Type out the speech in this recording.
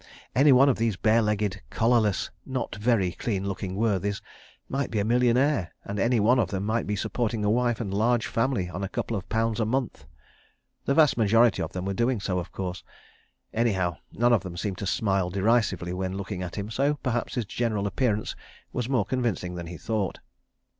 Any one of these bare legged, collarless, not very clean looking worthies might be a millionaire; and any one of them might be supporting a wife and large family on a couple of pounds a month. The vast majority of them were doing so, of course. ... Anyhow, none of them seemed to smile derisively when looking at him, so perhaps his general appearance was more convincing than he thought.